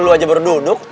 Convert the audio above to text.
lo aja baru duduk